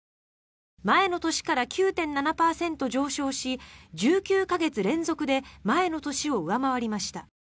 前の年から９．７％上昇し１９か月連続で前の年を上回りました。